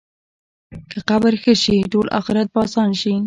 که قبر ښه شي، ټول آخرت به اسان شي.